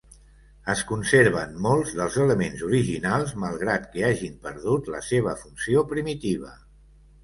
Es conserven molts dels elements originals malgrat que hagin perdut la seva funció primitiva.